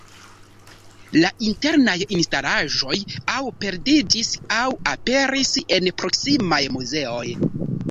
La internaj instalaĵoj aŭ perdiĝis, aŭ aperis en proksimaj muzeoj.